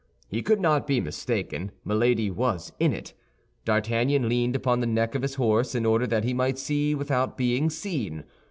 He could not be mistaken; Milady was in it. D'Artagnan leaned upon the neck of his horse, in order that he might see without being seen.